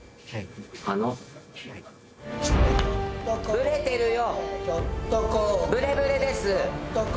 ブレてるよ！